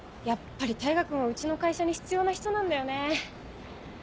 やっぱり大牙君はうちの会社に必要な人なんだよね！